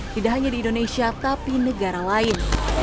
tidak hanya di indonesia tapi negara lain